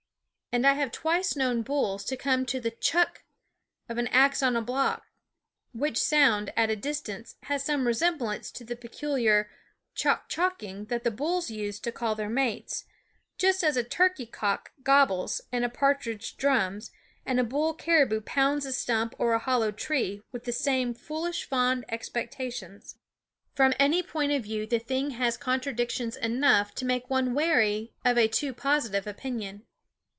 And I have twice known bulls to come to the chuck of an ax on a block ; which sound, 294 Jlfffie Sound of Me tfru/npef SCHOOL OF at a distance, has some resemblance to the peculiar chock chocking that the bulls use to call their mates just as a turkey cock gob bles, and a partridge drums, and a bull cari bou pounds a stump or a hollow tree with the same foolish fond expectations. From any point of view the thing has contradictions enough to make one wary of a too positive opinion.